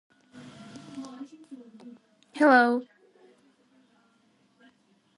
As virus enters the host cell by receptor-mediated endocytosis, endosomal acidification occurs.